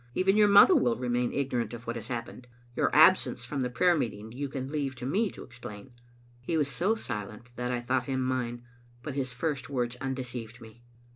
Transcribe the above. Even your mother will remain ignorant of what has happened. Your absence from the prayer meeting you can leave to me to explain. " He was so silent that I thought him mine, but his first words undeceived me.